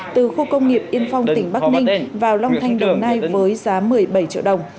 từ khu công nghiệp yên phong tỉnh bắc ninh vào long thanh đồng nai với giá một mươi bảy triệu đồng